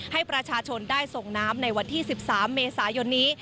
ให้ประชาชนได้ส่งน้ำในวันที่๑๓เมษายนนี้